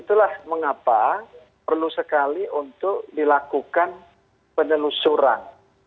itulah mengapa perlu sekali untuk dilakukan penelusuran